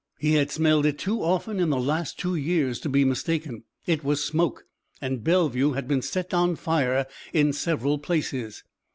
He had smelled it too often in the last two years to be mistaken. It was smoke, and Bellevue had been set on fire in several places.